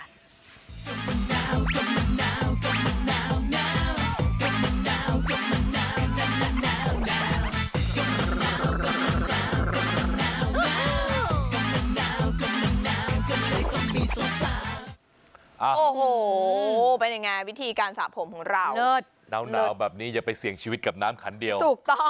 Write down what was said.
ก็มีน้ำก็ไม่ได้ก็มีสาวสาว